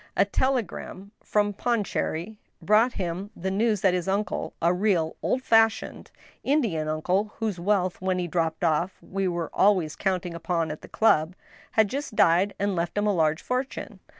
A telegram from Pondicherry brought him the news that his uncle — a real, old fashioned, Indian uncle, whose wealth when he dropped off we were always counting upon at the club — had just died and left him a large fortune.